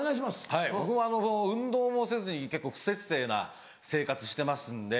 はい僕あの運動もせずに結構不摂生な生活してますんで。